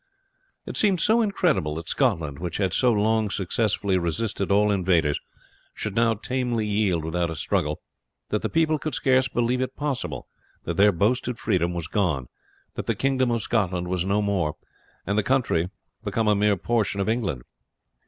It seemed so incredible that Scotland, which had so long successfully resisted all invaders, should now tamely yield without a struggle, that the people could scarce believe it possible that their boasted freedom was gone, that the kingdom of Scotland was no more, and the country become a mere portion of England.